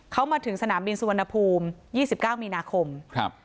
เขามาถึงสนามบินสุวรรณภูมิ๒๙มีนาคมครับ